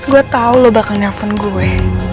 gue tau lo bakal nelfon gue